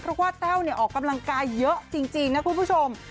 เพราะว่าแต้วออกกำลังกายเยอะจริงนะคุณผู้ชม